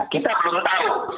kita belum tahu